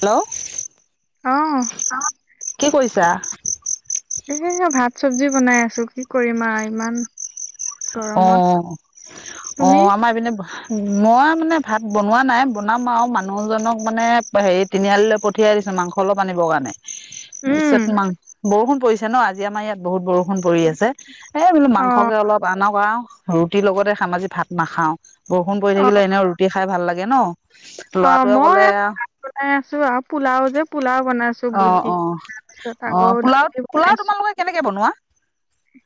Hello, অ', কি কৰিছাঁ? এ ভাত চব্জি বনাই আছোঁ। কি কৰিম আৰু ইমান- গৰমত, অ' তুমি? অ' আমাৰ এইপিনে- মই মানে ভাত বনোৱা নাই বনাম আৰু মানুহজনক মানে হেৰিত- তিনিআলিলৈ পঠিয়াই দিছোঁ মাংস অলপ আনিব কাৰণে। উম, তাৰপিছত তোমাৰ বৰষুণ পৰিছে ন' আজি আমাৰ ইয়াত বহুত বৰষুণ। বৰষুণ পৰি আছে এই বোলোঁ অ', মাংসকে অলপ আনা ৰুটিৰ লগতে খাম ভাত নাখাওঁ। বৰষুণ পৰি অ', থাকিলে এনে ৰুটি খাই ভাল লাগে ন। অ' ল'ৰাটোৱে মই ক'লে পোওলা বনাই আছোঁ। আৰু পোলাও যে পোলাও বনাই আছোঁ। অ' অ' অ' পোলাও দালি পোলাও বনাইছো, তোমালোকে কেনেকে বনোৱা।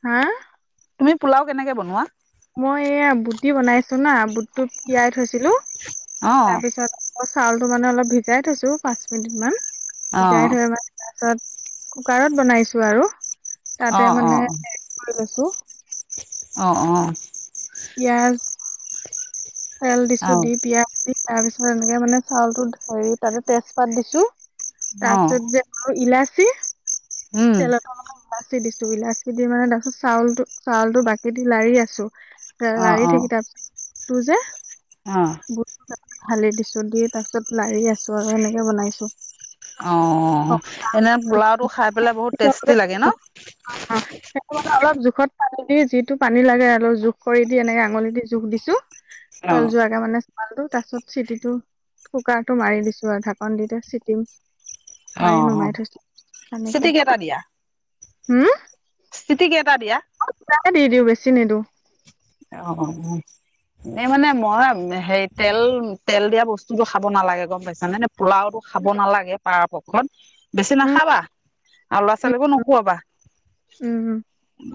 হা তুমি পোলাও কেনেকে বনোৱা। মই এয়া বুটি দি বনাইছোঁ। না বুটটোত তিয়াই থৈছিলো অ', তাৰপিছত- মই চাউলটো মানে অলপ ভিজাই থৈছো পাঁচ মিনিট মান ভিজাই অ', থৈ মানে- তাৰপাছত কুকাৰত বনাইছোঁ আৰু। তাতে অ' মানে অ' কৰি লৈছো অ' অ' অ'। পিয়াঁজ তেল দিছো। অ', দি পিয়াঁজ- তাৰ পিছত এনেকে মানে চাউলতো হেৰি তাতে তেজপাত দিছোঁ। অঁ তাৰপিছত যে- আৰু ইলাচি উম তেল- ইলাচি দিছোঁ। ইলাচী দি মানে তাৰ পাছত চউলতো চাউলতো বাকী দি লাৰি আছোঁ। অঁ লাৰি থাকি তাৰপিছত তোৰ যে- অ' বুট ধালি দিছোঁ। দি তাৰ পিছত লাৰি আছোঁ আৰু এনেকে বনাইছোঁ। অ' এনে পোলাওটো খাই পেলাই বহুত টেষ্টি লাগে ন'। অ' অ' সেইটোৱে অলপ জোখত পানী দি যিটো পানী লাগে। তল জোখ কৰি দি এনেকে আঙুলি দি জোখ দিছোঁ। তল যোৱাকে মানে- তলটো, তাৰ পিছত চিটিটো কুকাৰটো মাৰি দিছোঁ। আৰু ঢাকন দি চিটিটো। মাৰি অ', অ', নমাই থৈছো। তেনেকে চিটিকি হুম-। চিতি কেই এটা দিয়া। দুটাই দি দিওঁ বেছি নিদিওঁ। অ' অ'-। এই মানে মই হেৰি তেল তেল দিয়া বস্তুতটো খাব নালাগে গম পাইছা নে ন পোলাওটো-। খাব নালাগে পাৰ পক্ষত বেছি উম নাখাবা আৰু ল'ৰা উম ছোৱালীকো নোখুৱাবা। উম'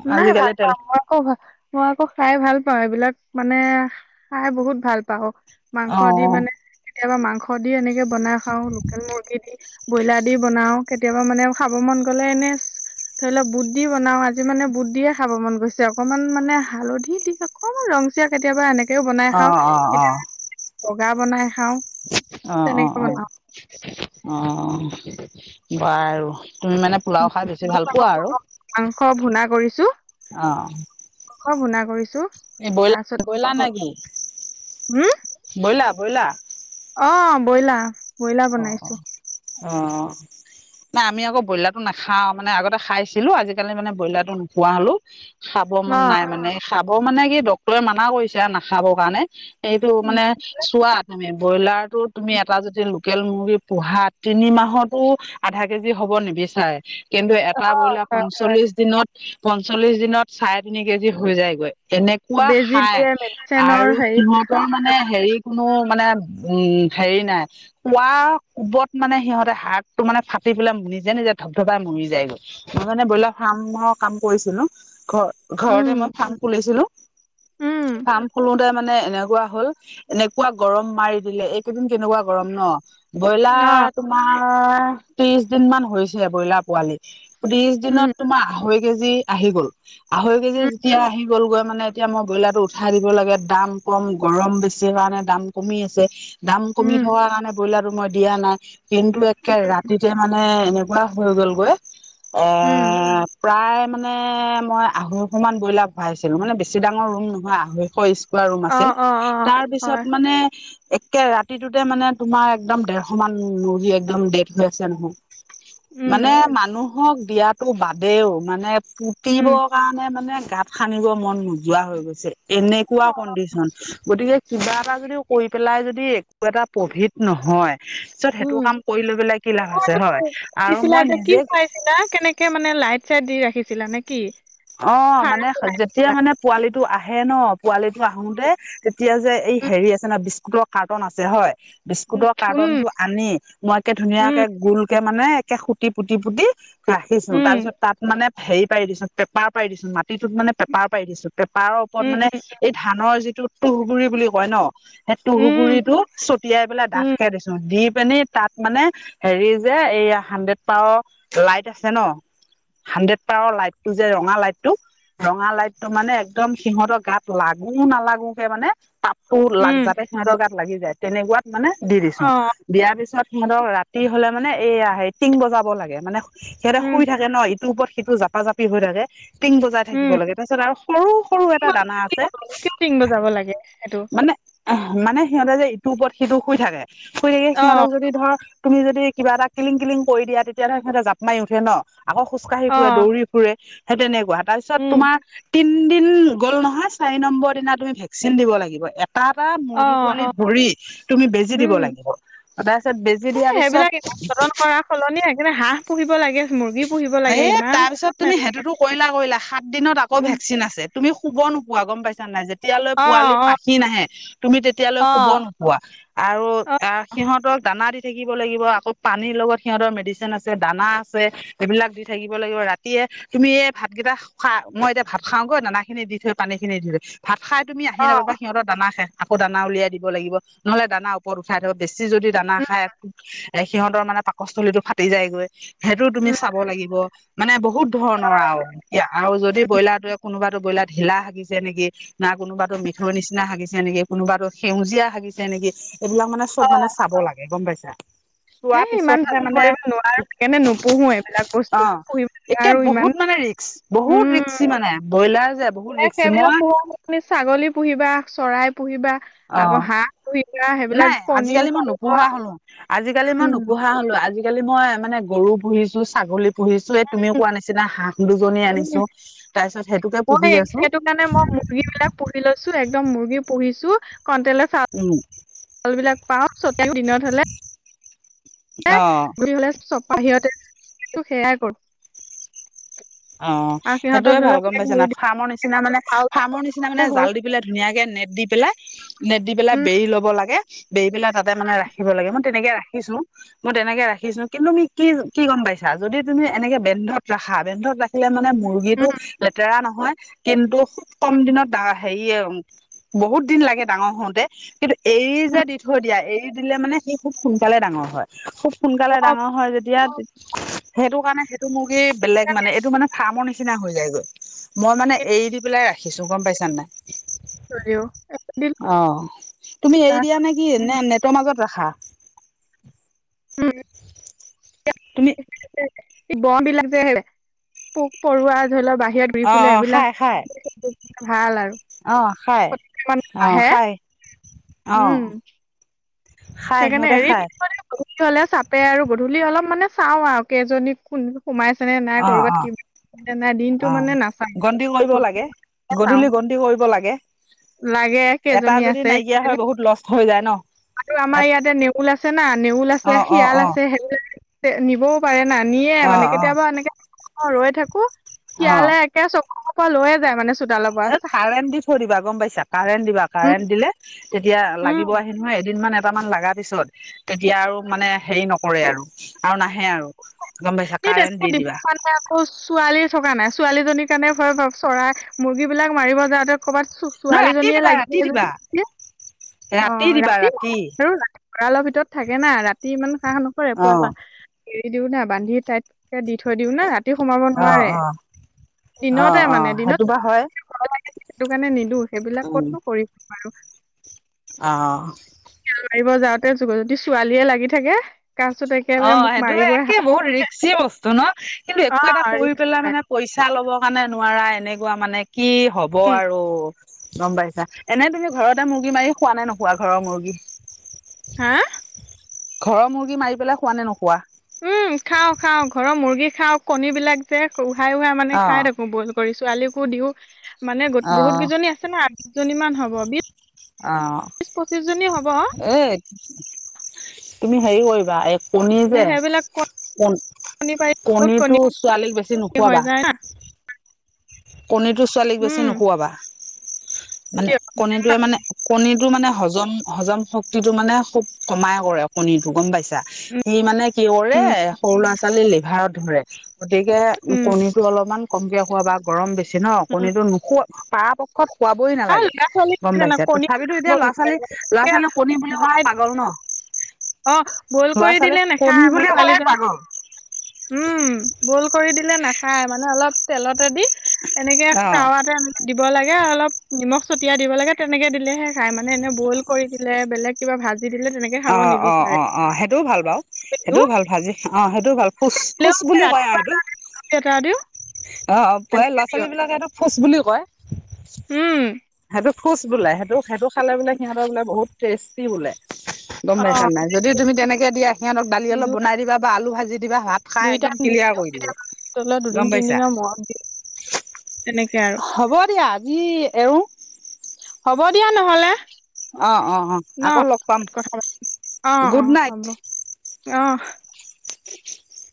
মানে ভাত খাই খাই-। অ' ভা, মই আকৌ খাই ভাল পাওঁ। এইবিলাক মানে খাই বহুত ভাল পাওঁ অ'। মাংস দি অঁ মানে কেতিয়াবা মাংস দি এনেকে বনাই খাওঁ লোকেল মুৰ্গী দি- ব্ৰইলাৰ দি বনাও, কেতিয়াবা মানে খাব মন গ'লে এনে ধৰি লওক বুট-। দি বনাওঁ আজি মানে বুট দিয়ে খাব মন গৈছে। অকণমান মানে হালধি দি অকণমান ৰংচীয়া কেতিয়াবা এনেকে-। তেওঁ ও বনাই খাওঁ অঁ অঁ অঁ কেতিয়াবা বগা বনাই খাওঁ। অ অ তেনেকে অ বনাও অ ব আৰু তুমি মানে। পোলাও খাই বেছি ভাল পোৱা আৰু মাংস অ। অ শুনা কৰিছোঁ। এই ব্ৰইলাৰ ব্ৰইলাৰ নে কি হম ব্ৰইলাৰ ব্ৰইলাৰ। অ বইলা। অ অ অ। নাই আমি আকৌ ব্ৰইলাৰতটো নাখাওঁ মানে আগতে খাইছিলো আজিকালি মানে ব্ৰইলাৰটো নোপোৱা হলো। খাব মন নাই মানে খাব মানে কি ডক্তৰে মানা কৰিছে আৰু নাখাবৰ কাৰণে। এইটো মানে চোৱা তুমি ব্ৰইলাৰ তটো তুমি এটা যদি। লোকেল মুৰ্গী পোহা তিনি মাহতো আধা কেজি হ'ব নিবিচাৰে। কিন্তু এটা বইলা অ পঞ্চল্লিশ দিনত। পঞ্চল্লিশ দিনত চাৰে তিনি কেজি হৈ যায়গৈ এনেক। খোৱা বেজি খাই দিয়ে মেডিচেনৰ আৰু হেৰি সিহঁত। ত মানে হেৰি কোনো মানে উম হেৰি নাই। কোৱা কোবত মানে সিহঁতে হাৰটো মানে ফাটি পেলাই মৰি যায় নিজ ধপ ধপাই মৰি যায় গ'ল। মই মানে ব্ৰইলাৰ ফাৰ্মৰ কাম কৰিছিলোঁ ঘৰ। ঘৰতে উম মই ফাৰ্ম খুলিছিলো উম ফাৰ্ম খ। মানে এনেকুৱা হ'ল এনেকুৱা গৰম মাৰি দিলে এইকেইদিন কেনেকুৱা গৰম ন। অ ব্ৰইলাৰ তোমাৰ ত্ৰিশ দিন মান হৈছে ব্ৰইলাৰ পোৱালি। ত্ৰিশ উম দিনত তোমাৰ আঢ়ৈ কেজি আহি গ'ল আঢ়ৈ কেজি উম যেতিয়া আহি গ'ল গৈ মানে। এতিয়া মই ব্ৰইলাৰ টো উঠাই দিব লাগে দাম কম গৰম বেছি কাৰণে দাম কমি আছে। দাম কমি উম থকাৰ কাৰণে ব্ৰইলাৰো মই দিয়া নাই কিন্তু একে ৰাতিতে মানে এনে। হৈ গ'লগৈ এ উম প্ৰায় মানে। মানে মই আঢ়ৈশ মমান ব্ৰইলাৰ ভৰাইছিলোঁ মানে বেছি ডাঙৰ ৰুম নহয় আঢৈশ। পোৱা ৰুম অ আছিল অ অ হয় তাৰপিছত মানে একে ৰাতি। সেটোতে মানে তোমাৰ একদম দেৰশ মান মূৰ্গী একদম ডেট হৈ আছে নহয়। উম মানে মানুহক দিয়াতো বাদেও মানে পুতিব। উম কাৰণে মানে গাত খানিব মন নোযোৱা হৈ গৈছে। এনেকুৱা অ কণ্ডিশন গতিকে কিবা এটা যদি কৈ পেলাই যদি। কিবা এটা প্ৰভিত নহয়? পিছত সেইটো উম কাম কৰি লৈ পেলাই কি লাভ আছে হয় আৰু মই নিজে। চা কেনেকে মানে লাইট চাইট দি ৰাখিছিলা নেকি? অ মানে যেতিয়া মানে পোৱালিটো আহে ন, পোৱালিটো আহোতে, তেতিয়া যে এই উম হেৰি আছে নহয়, বিস্কুটৰ কাৰ্টন আছে হয়। বিস্কুটৰ উম কাৰ্টনটো আনি মই একে ধুনীয়াকে গোলকে মানে একে সুতি, পুতি -পুতি, ৰাখিছো উম তাৰ পিছত তাত মানে হেৰি পাৰি দিছো, পেপাৰ পাৰি দিছো। মাটিটোত মানে পেপাৰ পাৰি দিছো পেপাৰৰ ওপৰত উম মানে উম এই ধানৰ যিটো তুহগুৰি বুলি কয় ন, সেই উম টুংগুৰিতটো ছটিয়াই পেলাই উম ডাঠকে দিছো। দি পিনি, তাত মানে হেৰি যে এইয়া হাড্ৰেড পাৱাৰ লাইট আছে ন, হাড্ৰেড পাৱাৰৰ লাইট টো যে ৰঙা লাইটটো, ৰঙা লাইটটো মানে একদম সিহঁতৰ গাত লাগো নালাগো কে মানে তাপ, তোৰ লাগ উম যাতে সিহঁতৰ গাত লাগি যায়, তেনেকুৱাত মানে দি দিছো। অ দিয়াৰ পিছত সিহঁতক ৰাতি হলে মানে, এইয়া সে টিং বজাব লাগে মানে সিহঁতে উম শুই থাকে। ন ইটোৰ ওপৰত সিটো জাপা জাপি হৈ থাকে। টিং বজাই উম থাকিব লাগে। তাৰপিছত আৰু সৰু সৰু এটা দানা আছে। কিয় টিং বজাব লাগে সেইটো মানে, এ মানে সিহঁতে যে ইটোৰ ওপৰত সিটো শুই থাকে, শুই থাকে অ সিহঁতক যদি ধৰ, তুমি যদি কিবা এটা কিলং কিলং কৰি দিয়া তেতিয়াহ'লে সিহঁতে যতনাই উঠে ন আকৌ খোজকাঢ় অ ফুৰে দৌৰি, ফুৰে। সেই তেনেকুৱা তাৰপিছত উম তোমাৰ তিনিদিন গ'ল নহয়, চাৰি নম্বৰ দিনা তুমি ভেকচিন দিব লাগিব। এটা এটা অ মুৰ্গী পোৱালি অ ধৰি তুমি বেজি দিব উম লাগিব। তাৰপিছত বেজি এ দিয়াৰ সেইবিলাক পিছত, যতন কৰাৰ সলনি সেইকাৰণে হাঁহ পুহিব লাগে মুৰ্গী পুহিব এ লাগে ইমান, তাৰপিছত তুমি নালাগে সেইটোতো কৰিলা কৰিলা সাত দিনত আকৌ ভেকচিন আছে, তুমি শুব নোপোৱা গম পাইছা নাই যে- -তিয়ালৈ অঁ পোৱালি অঁ পাখি নাহে তুমি তেতিয়ালৈ শুব নোপোৱা। আৰু অঁ সিহঁতক দানা দি থাকিব লাগিব আকৌ পানীৰ লগত সিহঁতৰ মেডিচিন আছে দানা আছে। এইবিলাক দি থাকিব লাগিব ৰা- -তিয়ে তুমি এ ভাতকেইটা খা মই এতিয়া ভাত খাওঁগৈ, দানা খিনি দি থৈ পানী খিনি দি থৈ, ভাত খাই তুমি আহি অঁ নাপাবা সিহঁতৰ দানা শেষ আকৌ দানা উলিয়াই দিব লাগিব। নহ'লে দানা, ওপৰত উঠাই থব, বেছি যদি দানা খাই এ সিহঁতৰ মানে পাকস্থলীটো ফাটি যায়গৈ। সেইটো তুমি অঁ চাব লাগিব, মানে বহুত ধৰণৰ আৰু, আৰু যদি ব্ৰইলাৰটোৱে কোনোবাতো ব্ৰইলাৰ ঢিলা হাগিছে নেকি, না কোনোবাতো মিঠৈৰ নিচিনা হাগিছে নেকি, কোনোবাতো সেউজীয়া হাগিছে নেকি? এইবিলাক মানে চব মানে চাব লাগে গম পাইছা। চোৱাৰ হেই ইমান পিছতহে [unintelligible] মানে কৰিব নোৱাৰো, সেইকাৰণে নোপোহো এইবিলাক বস্তু পুহি একে বহুত মানে ৰিক্স বহুত ৰিক্সি মানে। ব্ৰইলাৰ যে, বহুত ৰিক্সি সেইবিলাক মই পোহা সলনি, ছাগলী পুহিবা চৰাই পুহিবা। অ আকৌ হাঁহ পুহিবা সেইবিলাক নাই কণীও আজিকালি মই পাৰিব নোপোহো হলো আজিকালি মই উম, নোপোহা‌ হলো। আজি, আজিকালি মই মানে গৰু পুহিছো ছাগলী পুহিছো, এই তুমি কোৱা নিচিনা হাঁহ দুজনী আনিছো। উম, তাৰ পিছত সেইটোকে পুহি মই আছো। সেইটো কাৰণে মই মুৰ্গীবিলাক পুহি লৈছো, একদম মুৰ্গী পুহিছো কণ্টলৰ চ উম চাউল বিলাক পাও চতিয়াও দিনত হলে। অ হলে চব বাহিৰতে সেয়াই কৰো। অ আৰু সিহঁতক সেইটোয়ে ধৰি ভাল লওক গম পাইছে ধৰি না দিওঁ ফাৰ্মৰ নিচিনা সিহঁতক মানে চাউলটো ফাৰ্মৰ নিচিনা মানে শুকাবলে হ'ল জাল দি, পেলাই ধুনীয়াকে নেট দি পেলাই, নেট দি পেলাই উম বেৰি ল'ব লাগে বেৰি পেলাই তাতে মানে ৰাখিব লাগে মই তেনেকে ৰাখিছো। মই তেনেকে ৰাখিছো কিন্তু তুমি কি কি গম পাইছা। যদি তুমি এনেকে বেন্ধত ৰাখা বেন্ধত ৰা- -খিলে মানে মুৰ্গীটো উম লেতেৰা নহয়। কিন্তু খুব কম দিনত ডা হেৰিয়ে, বহুত দিন লাগে ডাঙৰ হওঁতে কিন্তু এৰি যে দি থৈ দিয়া এৰি দিলে মানে সি খুব সোনকালে ডাঙৰ হয় খুব সোনকালে চব ডাঙৰ হয় যেতিয়া সেইটো কাৰণে এইটো মূৰ্গী বেলেগ মানে এইটো মানে ফাৰ্মৰ নিচিনা হৈ যায়গৈ মই মানে এৰি দি পেলাই ৰাখিছো গম পাইছানে নাই থৈ দিওঁ দিলো অ তুমি এৰি দিয়া নে? কি নে নেটৰ মাজত ৰাখা উম। তুমি? ব বিলাক যে পোক পৰুৱা ধৰি ল' বাহিৰত ঘূৰি অ ফুৰিলে অ খাই এইবিলাক খাই ভাল আৰু অ খাই ক'ত কিমান অ আহে খাই অ উম। খাই সেইকাৰণে সিহঁতে এৰি খাই দি গধূলি হলে চাপে আৰু গধূলি অলপ মানে চাও আৰু কেইজনী কোন সোমাইছেনে নাই অ অ কৰ'বাত কি? অ গন্তি কৰিব গধূলি লাগে চাওঁ গধূলি গন্তি কৰিব লাগে। লাগে এটা কেইজনী যদি আছে নাইকিয়া কেইজনী হয় বহুত লষ্ট হৈ যায় ন। আৰু আমাৰ ইয়াতে নেউল আছে না নেউল আছে অ অ শিয়াল অ আছে সেই নিবও পাৰে না নিয়ে অ মানে কেতিয়াবা এনেকে ৰৈ থাকো অ অ শিয়ালে একে চকুৰ পৰা লয়ে যায় মানে চোতালৰ পৰা এ চাহ কাৰেণ্ট দি থৈ দিবা গম পাইছা কাৰেণ্ট দিবা উম কাৰেণ্ট দিলে তেতিয়া উম লাগিব আহে। নহয় এদিন মান এটামান লগা পিছত তেতিয়া আৰু মানে হেৰি নকৰে আৰু আৰু নাহে আৰু গম পাইছা সেই কাৰেণ্ট তেনেকে দি দিব দিবা কাৰণে আ- -কৌ ছোৱালী থকা নাই ছোৱালীজনীৰ কাৰণে ভয় হয় চৰাই মুৰ্গী বিলাক মাৰিব যাওঁতে ক'ৰবাত নহ ৰাতি ছোৱালীজনীয়ে দিবা লাগি ৰাতি যায় দিবা যদি অ ৰাতি আৰু গৰালৰ ভিতৰত থাকে না ৰাতি ইমান শাহ নকৰে অ পোৱলা এৰি দিও না বান্ধি তাইত তে দি থৈ দিওঁ না ৰাতি সোমাব অ নোৱাৰে। অ অ দিনতে অ মানে দিনত সেইটো বা হয় সেইটো কাৰণে নিদো সেইবিলাক উম ক'তনো কৰিছে বাৰু? অ', মাৰিব যাওঁতে যদি ছোৱালীয়ে লাগি থাকে? তাৰপিছত একেবাৰে অ' মোক সেইটো মাৰিবই একে মোৰ ৰিক যি বস্তু ন' কিন্তু অ একো এটা কৰি ৰিস্ক পেলাই নাই। মানে পইচা লবৰ কাৰণে নোৱাৰা এনেকুৱা মানে কি হ'ব উম আৰু? গম পাইছা? এনে তুমি ঘৰতে মুৰ্গী মাৰি খোৱা নে নোখোৱা ঘৰৰ মুৰ্গী? হা, ঘৰৰ মুৰ্গী মাৰি পেলাই খোৱা নে নোখোৱা? উম, খাও-খাওঁ ঘৰৰ মুৰ্গী খাও কণী বিলাক যে উহাই উহাই মানে অ খাই থাকো বইল কৰি ছোৱালীকো দিও মানে অ গ'ত বহুত কেইজনী আছে ন' আঠজনী মান হ'ব বি অ' এ, তুমি হেৰি কৰিবা এক কণী মানে যে সেইবিলাক কণী কন পাৰি বহুত কণী কণীটো ছোৱালীক বেছি হৈ নোখোৱাবা। যায় না কণীটো ছোৱালীক বেছি উম নোখোৱাবা, মানে কিয় কণী য়ে মানে কণী টো মানে হজম হজম শক্তি টো মানে খুব কমাই কৰে কণী টো গম পাইছে? সি মানে কি কৰে সৰু ল'ৰা ছোৱালী লিভাৰত ধৰে। গতিকে উম কণীটো অলপমান কমকে খুৱবা গৰম বেছি ন' উম কণীতটো নোখোৱা পাৰ প ক্ষত খোৱাবই আৰু নালাগে ল'ৰা ছোৱালী কি গম জানা, পাইছা কণী তথাবিতো খাব এতিয়া ল'ৰা ছোৱালী বিচাৰে লৰা এতিয়া ছোৱালী কণী বুলি ক'লে ভাই পাগল ন'। অ বইল ল'ৰা কৰি -ছোৱালীক দিলে কণী নাখায় মোৰ বুলি ক'লেই ছোৱালীজনী পাগল। উম, বইল কৰি দিলে নাখায় মানে অলপ তেলতে দি এনেকে অ টাৱাতে দিব লাগে আৰু অলপ নিমখ ছটিয়া দিব লাগে তেনেকে দিলেহে খাই মানে এনে বইল কৰি দিলে বেলেগ কিবা ভাজি দিলে তেনেকে খাব নিবিচাৰে অ'-অ'-অ'-অ' সেইটোও ভাল বাও দিও সেইটোও ভাল ভাজি অ' সেইটোও ভাল ফোচ ফোচ বুলিও কয় আৰু সেইটো। এটাইদিও। অ প্ৰায় ল'ৰা- ছোৱালী বিলাকে সেটো ফোজ বুলিও কয় উম সেইটো ফোচ বোলে সেইটো সেইটো খালে বোলে সিহঁতৰ বোলে বহুত টেষ্টি বোলে। গম অ পাইছা নাই যদি তুমি তেনেকে দিয়া সিহঁতক দালি অলপ নিদো আৰু বনাই দিব বা আলু ভাজি দিবা ভাত খাই দুই একদম ক্লিয়াৰ কৰি দিব, গম পাইছা? দিনৰ মৰত দিয়ে তেনেকে আৰু। হ'ব দিয়া আছি এৰো হ'ব দিয়া নহ'লে। অ অ অ আকৌ ন' লগ পাম কথা পাত গুড অ'-অ' নাইট হ'ব অ' [inaudible]